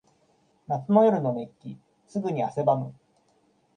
夏の夜の熱気。すぐに汗ばむ。